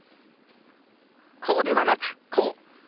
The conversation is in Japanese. こうではなくこう。